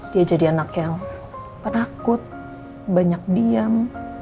dia jadi anak yang penakut banyak diam